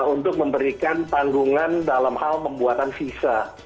untuk memberikan tanggungan dalam hal pembuatan visa